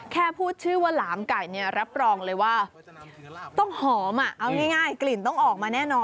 แค่พูดชื่อว่าหลามไก่เนี่ยรับรองเลยว่าต้องหอมเอาง่ายกลิ่นต้องออกมาแน่นอน